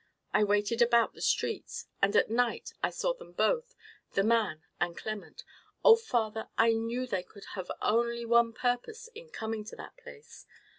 I waited about the streets; and at night I saw them both, the man and Clement. Oh! father, I knew they could have only one purpose in coming to that place.